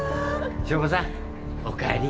祥子さんお帰り。